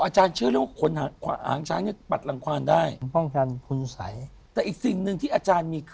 เชื่อเรื่องปัดลังความ